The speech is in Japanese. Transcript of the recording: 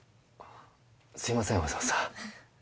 すいませんわざわざ。